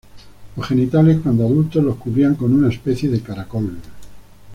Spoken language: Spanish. Los genitales, cuando adultos lo cubrían con una especie de caracol.